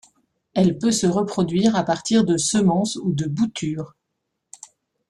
Elle peut se reproduire à partir de semences ou de boutures.